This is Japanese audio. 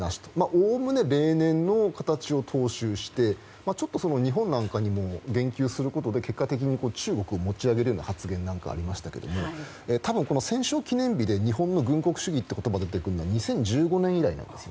おおむね例年の形を踏襲してちょっと日本なんかにも言及することで結果的に中国を持ち上げるような発言がありましたけど多分、戦勝記念日で日本の軍国主義という言葉が出てきたのは２０１５年以来なんです。